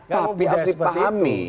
tapi harus dipahami